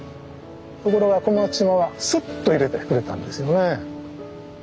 ところが小松島はすっと入れてくれたんですよね。